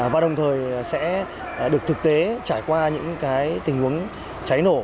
và đồng thời sẽ được thực tế trải qua những tình huống cháy nổ